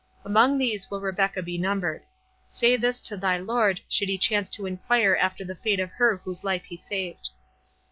Among these will Rebecca be numbered. Say this to thy lord, should he chance to enquire after the fate of her whose life he saved."